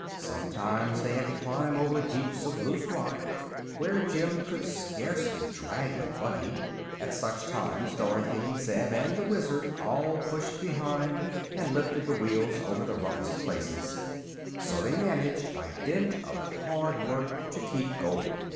Sometimes they had to climb over heaps of loose rock, where Jim could scarcely drag the buggy. At such times Dorothy, Zeb and the Wizard all pushed behind, and lifted the wheels over the roughest places; so they managed, by dint of hard work, to keep going.